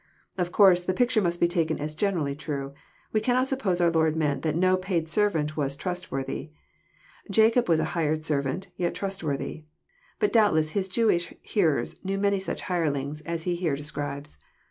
Of course the picture must be taken as generally true : we cannot suppose our Lord meant that no paid servant was trustworthy. Jacob was a hired shepherd, yet trustworthy. But doubtless His Jewish hearers knew many such hirelings " as he here describes.